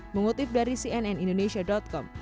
mengutip dari cnnindonesia com